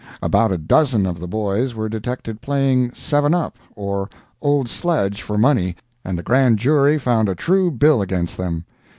About a dozen of the boys were detected playing "seven up" or "old sledge" for money, and the grand jury found a true bill against them.